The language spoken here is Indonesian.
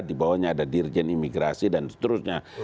dibawahnya ada dirjen imigrasi dan seterusnya